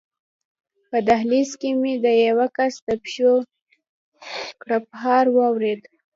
په دهلېز کې مې د یوه کس د پښو کړپهار واورېد.